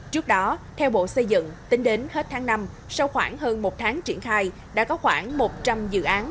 trước đó theo bộ xây dựng tính đến hết tháng năm sau khoảng hơn một tháng triển khai đã có khoảng một trăm linh dự án